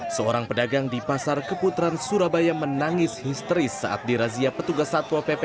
seorang pedagang di pasar keputaran surabaya menangis histeris saat dirazia petugas satwa pp